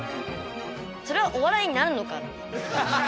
それはお笑いになるのか。